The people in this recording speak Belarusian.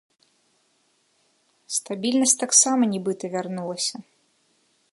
Стабільнасць таксама нібыта вярнулася.